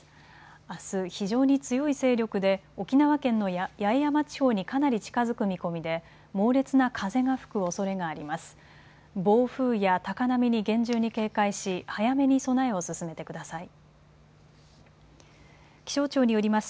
あす非常に強い勢力で沖縄県の八重山地方にかなり近づく見込みで猛烈な風が吹くおそれがあります。